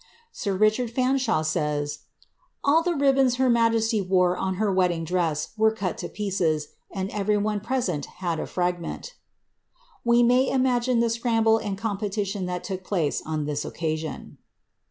Sir Ricliard Fansliawe says, ^ all the ribbons her majesty wore on her wedding dress were cut to pieces, and every one present had t fragment.^'' \Ve may imagine the scramble and competition that took place on this occasion.